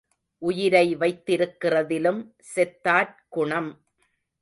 உயிரை வைத்திருக்கிறதிலும் செத்தாற் குணம்.